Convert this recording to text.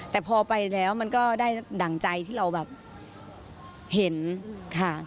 แต่พอไปแล้วมันก็ได้ดั่งใจที่เราแบบเห็นค่ะ